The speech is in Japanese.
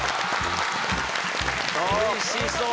おいしそう！